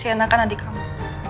sienna kan adik kamu